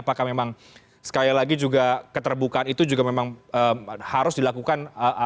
apakah memang sekali lagi juga keterbukaan itu juga memang harus dilakukan